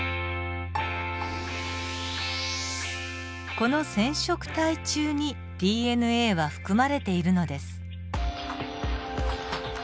この染色体中にＤＮＡは含まれているのです。